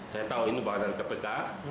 saya tahu ini bahwa dari kpk